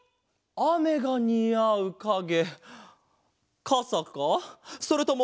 あめがにあうかげ。